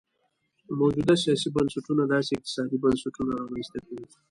موجوده سیاسي بنسټونو داسې اقتصادي بنسټونه رامنځته کړي.